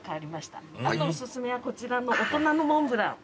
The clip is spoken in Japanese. あとお薦めはこちらの大人のモンブラン。